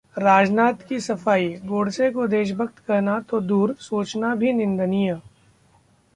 राजनाथ की सफाई- गोडसे को देशभक्त कहना तो दूर, सोचना भी निंदनीय